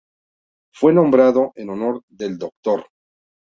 Fue nombrado en honor del Dr.